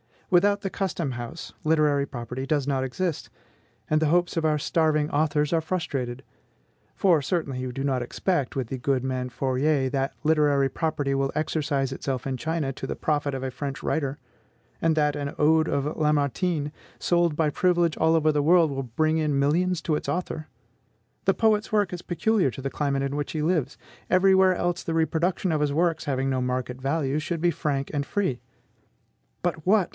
Without the custom house, literary property does not exist, and the hopes of our starving authors are frustrated. For, certainly you do not expect, with the good man Fourier, that literary property will exercise itself in China to the profit of a French writer; and that an ode of Lamartine, sold by privilege all over the world, will bring in millions to its author! The poet's work is peculiar to the climate in which he lives; every where else the reproduction of his works, having no market value, should be frank and free. But what!